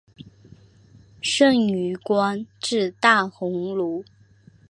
盛允官至大鸿胪。